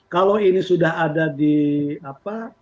kalau ini sudah ada di apa